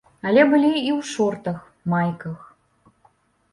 Але былі і ў шортах, майках.